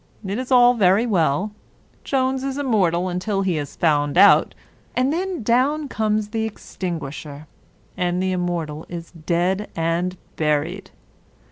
It is all very well. Jones is immortal until he is found out; and then down comes the extinguisher, and the immortal is dead and buried.